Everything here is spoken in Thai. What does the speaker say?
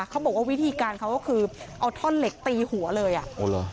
เขาบอกว่าวิธีการเขาก็คือเอาท่อนเหล็กตีหัวเลยอ่ะโอ้เหรอ